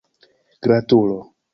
gratulo